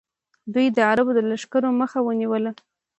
دوی د عربو د لښکرو مخه ونیوله